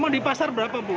emang di pasar berapa bu